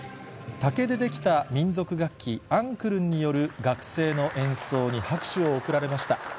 竹で出来たみんぞく楽器、アンクルンによる学生の演奏に拍手を送られました。